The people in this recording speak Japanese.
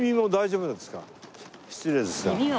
失礼ですが。